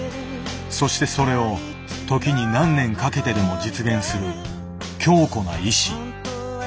そしてそれを時に何年かけてでも実現する強固な意志。